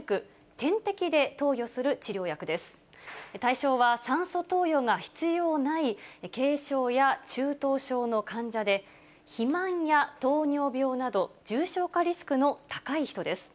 対象は酸素投与が必要ない軽症や中等症の患者で、肥満や糖尿病など、重症化リスクの高い人です。